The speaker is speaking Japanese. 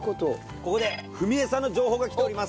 ここで文枝さんの情報が来ております。